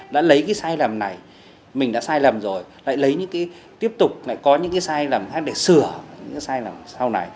đã lấy cái sai lầm này mình đã sai lầm rồi lại lấy những cái tiếp tục lại có những cái sai lầm khác để sửa những cái sai lầm sau này